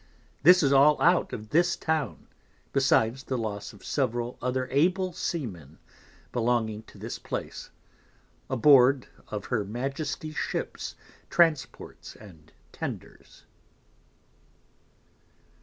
This is all out of this Town, besides the loss of several other able Seamen belonging to this Place, aboard of her Majesty's Ships, Transports and Tenders.